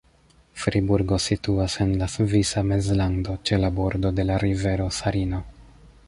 Friburgo situas en la Svisa Mezlando ĉe la bordo de la rivero Sarino.